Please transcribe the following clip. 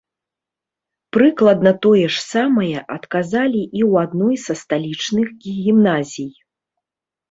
Прыкладна тое ж самае адказалі і ў адной са сталічных гімназій.